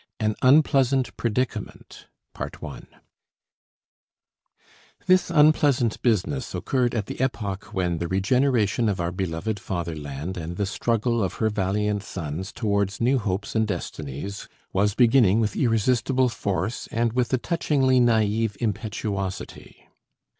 AN UNPLEASANT PREDICAMENT This unpleasant business occurred at the epoch when the regeneration of our beloved fatherland and the struggle of her valiant sons towards new hopes and destinies was beginning with irresistible force and with a touchingly naïve impetuosity.